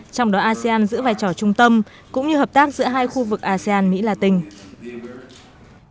trong đó asean giữ vai trò trung tâm cũng như hợp tác giữa hai khu vực asean mỹ la tình